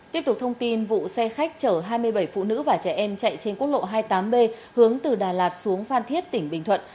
tiếp tục thông tin vụ xe khách chở hai mươi bảy phụ nữ và trẻ em chạy trên quốc lộ hai mươi tám b hướng từ đà lạt xuống phan thiết tỉnh bình thuận